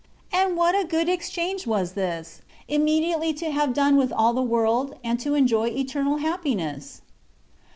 And what a good exchange was this — immediately to have done with all the world, and to enjoy eternal happiness